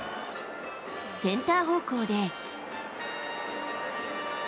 センター方向で。